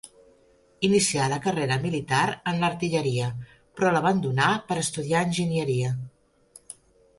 Inicià la carrera militar en l'Artilleria, però l'abandonà per a estudiar enginyeria.